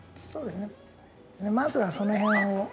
そうですねまずはその辺を。